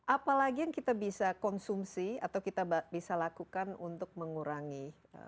apalagi yang kita bisa konsumsi atau kita bisa lakukan untuk mengurangi